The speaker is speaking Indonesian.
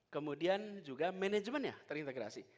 kemudian juga manajemennya terintegrasi